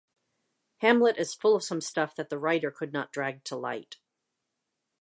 Hamlet is full of some stuff that the writer could not drag to light.